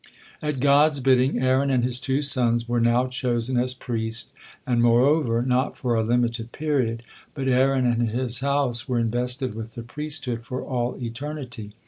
At God's bidding, Aaron and his two sons were now chosen as priest, and, moreover, not for a limited period, but Aaron and his house were invested with the priesthood for all eternity.